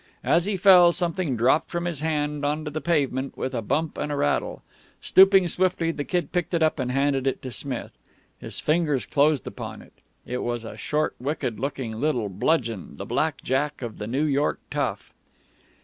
As he fell, something dropped from his hand on to the pavement with a bump and a rattle. Stooping swiftly, the Kid picked it up, and handed it to Smith. His fingers closed upon it. It was a short, wicked looking little bludgeon, the black jack of the New York tough.